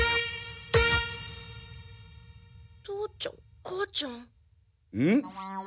父ちゃん母ちゃん？